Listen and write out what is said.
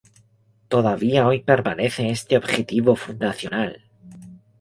Todavía hoy permanece este objetivo fundacional"".